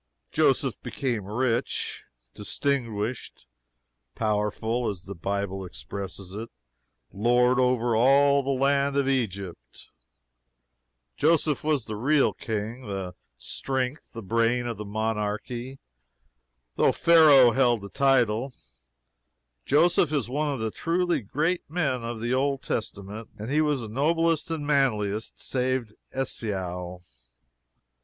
Joseph became rich, distinguished, powerful as the Bible expresses it, "lord over all the land of Egypt." Joseph was the real king, the strength, the brain of the monarchy, though Pharaoh held the title. Joseph is one of the truly great men of the Old Testament. And he was the noblest and the manliest, save Esau.